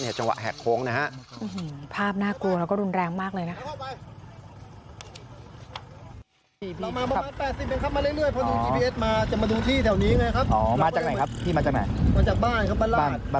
ในจังหวะแหกโค้งนะครับ